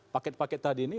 paket paket tadi ini